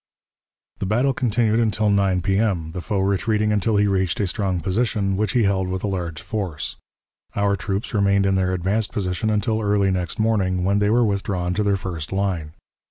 The battle continued until 9 P.M., the foe retreating until he reached a strong position, which he held with a large force. Our troops remained in their advanced position until early next morning, when they were withdrawn to their first line.